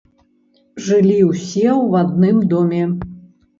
Жылі ўсе ў адным доме.